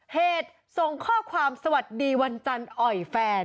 เหตุส่งข้อความสวัสดีวันจันทร์อ่อยแฟน